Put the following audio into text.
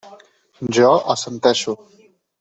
Jo assenteixo.